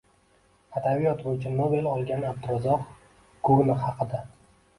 Adabiyot bo‘yicha Nobel olgan Abdurazzoq Gurna haqida